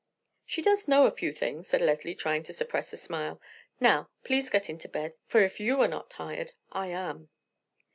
"She does know a few things," said Leslie, trying to suppress a smile. "Now, please get into bed; for, if you are not tired, I am."